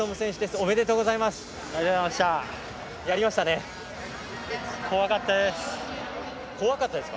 おめでとうございます！